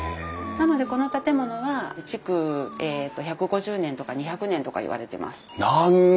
なのでこの建物は築１５０年とか２００年とかいわれてます。